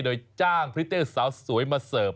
โดยจ้างพริตเตอร์สาวสวยมาเสิร์ฟ